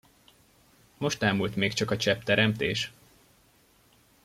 Most ámult még csak a csepp teremtés!